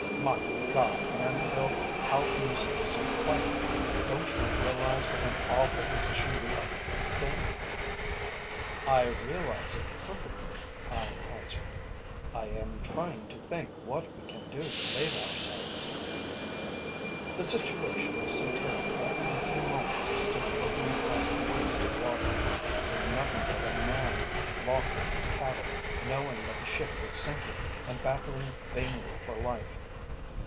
"My God! Manderville, how can you speak so quietly. Don't you realise what an awful position we are placed in?" "I realize it perfectly," I answered. "I am trying to think what we can do to save ourselves." The situation was so terrible that for a few moments I stood looking across the waste of water, seeing nothing but a man locked in his cabin, knowing that the ship was sinking, and battling vainly for life.